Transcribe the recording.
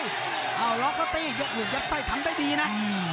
ล็อกแล้วตี้ยกหลุดยัดไส้ทำได้ดีนะ